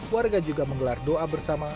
warga juga menggelar doa bersama